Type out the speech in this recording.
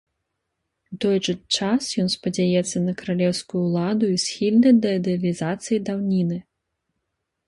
У той жа час ён спадзяецца на каралеўскую ўладу і схільны да ідэалізацыі даўніны.